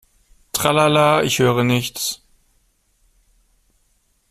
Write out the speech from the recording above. Tralala, ich höre nichts!